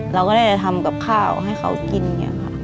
เราก็ได้ทำกับข้าวให้เขากินเนี่ยค่ะ